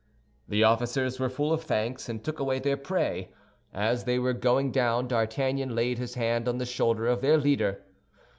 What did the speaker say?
The officers were full of thanks, and took away their prey. As they were going down D'Artagnan laid his hand on the shoulder of their leader.